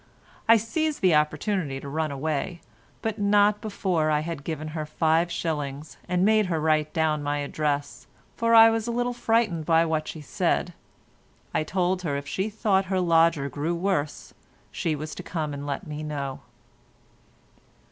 I seized the opportunity to run away, but not before I had given her five shillings and made her write down my address, for I was a little frightened by what she said. I told her if she thought her lodger grew worse, she was to come and let me know.